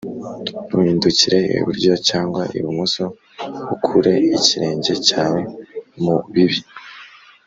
ntuhindukirire iburyo cyangwa ibumoso, ukure ikirenge cyawe mu bibi